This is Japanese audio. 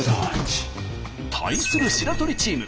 対する白鳥チーム。